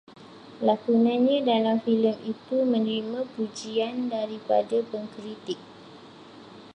Lakonannya dalam filem itu menerima pujian daripada pengkritik